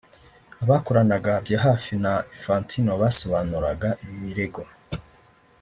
abakoranaga bya hafi na Infantino basobanuraga ibi birego